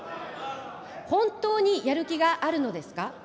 本当にやる気があるのですか。